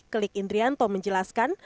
klik indrianto menjelaskan